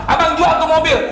abang jual tuh mobil